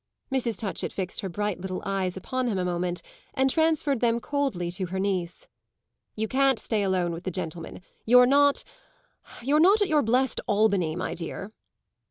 Mrs. Touchett fixed her bright little eyes upon him a moment and transferred them coldly to her niece. "You can't stay alone with the gentlemen. You're not you're not at your blest Albany, my dear."